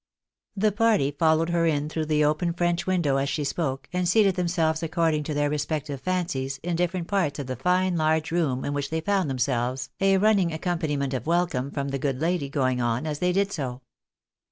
The party followed her in through the open French window as she spoke, and seated themselves according to their respective fancies in different parts of the fine large room in which they found them selves, a running accompaniment of welcome from the good lady going on as they did so.